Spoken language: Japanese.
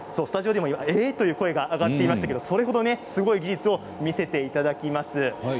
スタジオでも、ええ！という声が上がっていますがそれほどすごい技術を見せていただきます。